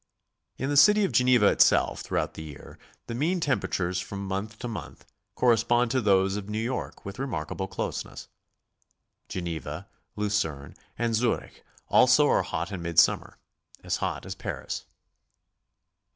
In the city of Geneva itself throughout the year the mean temperatures from month to month, correspond to those of New York with remarkable closeness. Geneva, Lucerne and Zurich all are hot in mid summer — as hot as Paris.